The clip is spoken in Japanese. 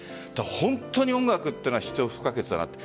本当に音楽は必要不可欠だなと。